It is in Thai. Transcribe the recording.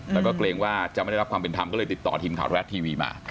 แล้วก็เกรงว่าจะไม่ได้รับความเป็นธรรมก็เลยติดต่อทีมข่าวรัฐทีวีมา